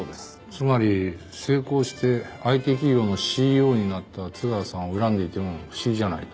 つまり成功してＩＴ企業のＣＥＯになった津川さんを恨んでいても不思議じゃないと。